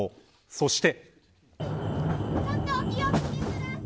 そして。